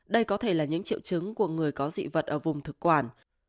đây có thể là những triệu chứng của người có dị vật ở vùng thực quản